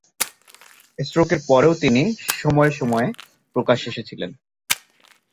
স্ট্রোকের পরেও তিনি সময়ে সময়ে প্রকাশ্যে এসেছিলেন।